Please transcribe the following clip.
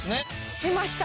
しました！